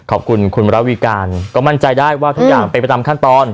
ขอบคุณคุณระวีการก็มั่นใจได้ว่าทุกอย่างเป็นไปตามขั้นตอน